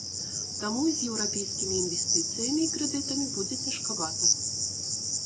Таму і з еўрапейскімі інвестыцыямі і крэдытамі будзе цяжкавата.